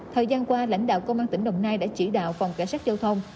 thời gian qua lãnh đạo công an tỉnh đồng nai đã chỉ đạo phòng cảnh sát giao thông